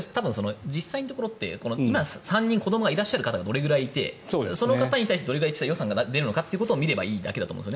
実際のところって今、３人子どもがいる方がどれくらいいて、その方に対してどれくらい予算が出るのかを見ればいいだけ。